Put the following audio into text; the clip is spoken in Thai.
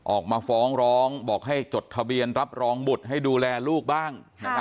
ออกมาฟ้องร้องบอกให้จดทะเบียนรับรองบุตรให้ดูแลลูกบ้าง